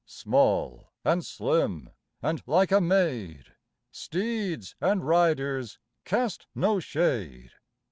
Small and slim and like a maid Steeds and riders cast no shade.